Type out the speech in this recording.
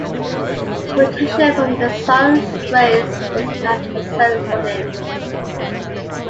Protection from the Sun's rays was not a concern for him.